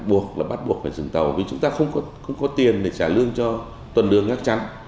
buộc là bắt buộc phải dừng tàu vì chúng ta không có tiền để trả lương cho tuần đường ngác trắng